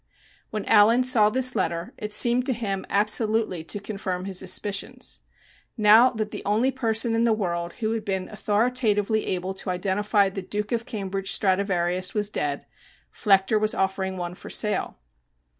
When Allen saw this letter it seemed to him absolutely to confirm his suspicions. Now that the only person in the world who had been authoritatively able to identify the "Duke of Cambridge" Stradivarius was dead, Flechter was offering one for sale.